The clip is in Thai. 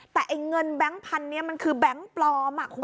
แต่ไอ้เงินแบงค์พันธุ์เนี่ยมันคือแบงค์ปลอมคุณผู้ชม